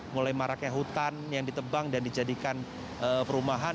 mulai maraknya hutan yang ditebang dan dijadikan perumahan